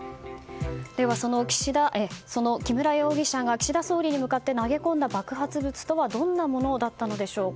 その木村容疑者が岸田総理に向かって投げ込んだ爆発物とはどんなものだったのでしょうか。